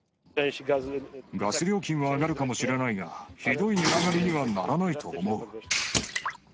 ガス料金は上がるかもしれないが、ひどい値上がりにはならないと思う。